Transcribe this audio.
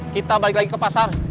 kita balik lagi ke pasar